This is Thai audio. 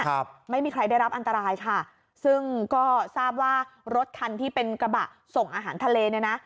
ครับไม่มีใครได้รับอันตรายค่ะซึ่งก็ทราบว่ารถคันที่เป็นกระบะส่งอาหารทะเลเนี่ยนะ